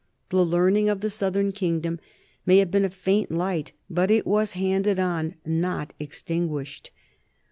The learning of the southern kingdom may have been a faint light, but it was handed on, not extin guished.